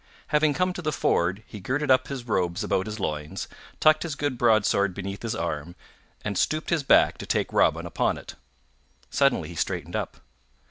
Having come to the ford, he girded up his robes about his loins, tucked his good broadsword beneath his arm, and stooped his back to take Robin upon it. Suddenly he straightened up.